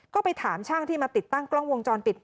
ก็ไปถามช่างที่มาติดตั้งกล้องวงจรปิด